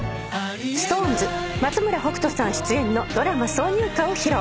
ＳｉｘＴＯＮＥＳ松村北斗さん出演のドラマ挿入歌を披露。